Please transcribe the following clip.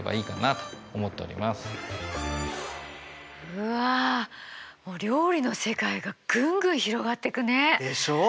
うわ料理の世界がぐんぐん広がっていくね。でしょう？